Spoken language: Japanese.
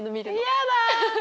嫌だ。